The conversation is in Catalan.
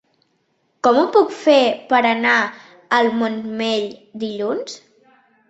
Com ho puc fer per anar al Montmell dilluns?